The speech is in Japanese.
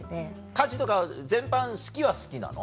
家事とか全般好きは好きなの？